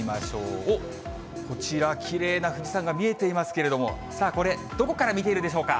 おっ、こちら、きれいな富士山が見えていますけれども、さあこれ、どこから見ているでしょうか。